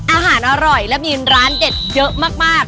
อาหารอร่อยแล้วมีร้านเด็ดเยอะมาก